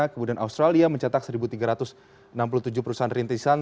kemudian australia mencetak satu tiga ratus enam puluh tujuh perusahaan rintisan